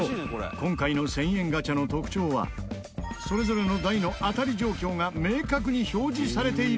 今回の１０００円ガチャの特徴はそれぞれの台の当たり状況が明確に表示されているという事。